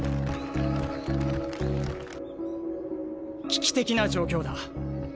危機的な状況だ。